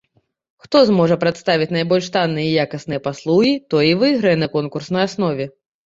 Хто зможа прадставіць найбольш танныя і якасныя паслугі, той і выйграе на конкурснай аснове.